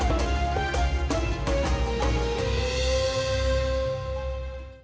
semoga hari ini berjalan baik